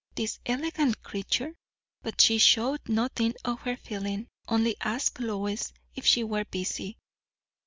This elegant creature? But she showed nothing of her feeling; only asked Lois if she were busy.